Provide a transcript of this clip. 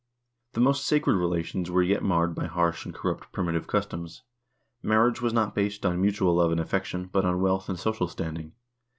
The most sacred relations were yet marred by harsh and corrupt primi tive customs. Marriage was not based on mutual love and affection, but on wealth and social standing.